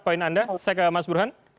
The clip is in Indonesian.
poin anda saya ke mas burhan